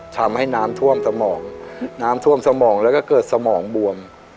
ทำให้น้ำท่วมสมองน้ำท่วมสมองแล้วก็เกิดสมองบวม